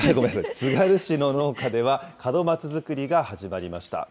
つがる市の農家では、門松作りが始まりました。